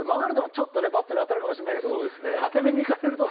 ちょっとねバットに当たるかもしれないけど縦めにいかれるとね。